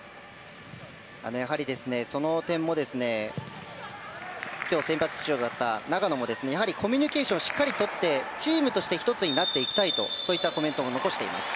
その点も、今日先発出場だった長野もやはりコミュニケーションをしっかりとってチームとして１つになっていきたいというコメントを残しています。